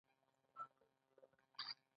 دوی ټاکلو اهدافو ته د رسیدو لپاره کار کوي.